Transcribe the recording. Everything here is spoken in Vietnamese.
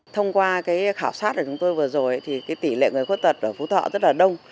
thông qua cái khảo sát của chúng tôi vừa rồi thì cái tỉ lệ người khuyết tật ở phú thọ rất là đông